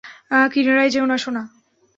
কিনারায় যেওনা, সোনা।